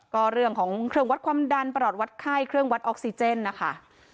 ก็เรื่องของเครื่องวัดความดันประหลอดวัดไข้เครื่องวัดออกซิเจนนะคะ